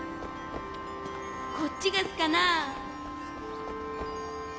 こっちがすかな？